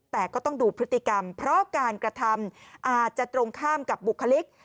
แต่ก็ต้องดูพฤติกรรมเพราะการกระทำอาจจะตรงข้ามกับบุคลิก